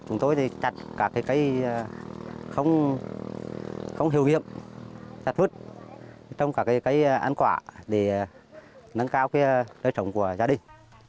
chúng tôi chặt các cây không hiệu nghiệp chặt vứt trong các cây ăn quả để nâng cao lợi trọng của gia đình